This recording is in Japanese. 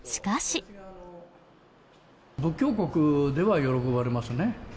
仏教国では喜ばれますね。